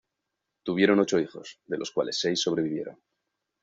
Tuvieron ocho hijos, de los cuales seis sobrevivieron.